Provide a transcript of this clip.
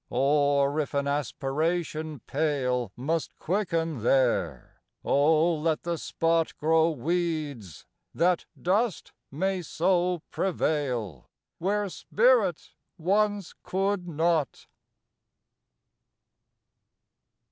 Or if an aspiration pale Must quicken there oh, let the spot Grow weeds! that dust may so prevail Where spirit once could not!